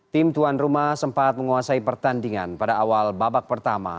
tim tuan rumah sempat menguasai pertandingan pada awal babak pertama